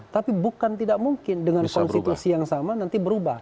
tapi bukan tidak mungkin dengan konstitusi yang sama nanti berubah